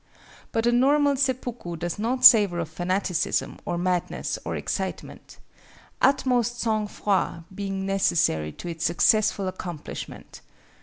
But a normal seppuku does not savor of fanaticism, or madness or excitement, utmost sang froid being necessary to its successful accomplishment.